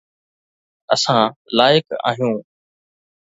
اسان لائق آهيون